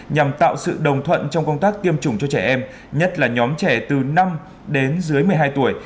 nhằm tạo sự đồng thuận trong công tác tiêm chủng cho trẻ em nhất là nhóm trẻ từ năm đến dưới một mươi hai tuổi